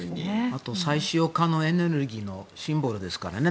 あと再生可能エネルギーのシンボルですからね。